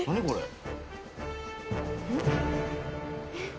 これ。